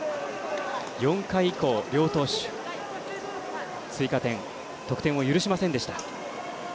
４回以降両投手、追加点得点を許しませんでした。